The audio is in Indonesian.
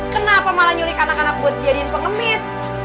kenapa malah nyulik anak anak buat jadiin pengemis